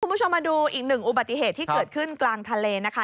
คุณผู้ชมมาดูอีกหนึ่งอุบัติเหตุที่เกิดขึ้นกลางทะเลนะคะ